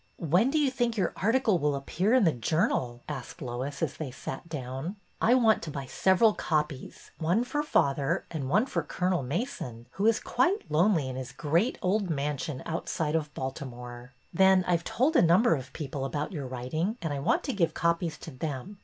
When do you think your article will appear in the Journal? " asked Lois, as they sat down. I want to buy several copies, — one for father and one for Colonel Mason, who is quite lonely in his great old mansion outside of Baltimore. Then I 've told a number of people about your writing and I want to give copies to them.